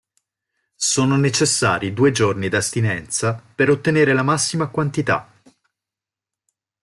Sono necessari due giorni d’astinenza per ottenere la massima quantità.